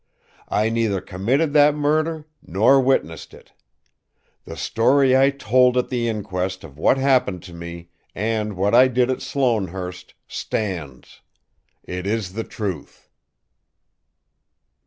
I neither committed that murder nor witnessed it. The story I told at the inquest of what happened to me and what I did at Sloanehurst stands. It is the truth."